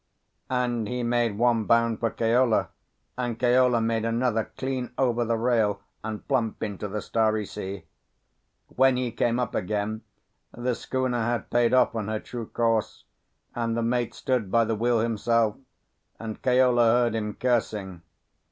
And he made one bound for Keola, and Keola made another clean over the rail and plump into the starry sea. When he came up again, the schooner had payed off on her true course, and the mate stood by the wheel himself, and Keola heard him cursing.